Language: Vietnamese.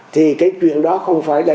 thì cái chuyện đó không phải là